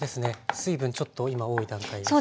水分ちょっと今多い段階ですね。